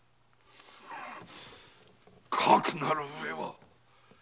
かくなるうえは。